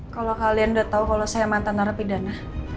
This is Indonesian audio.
kalau kalian udah tahu kalau saya mantan narapidana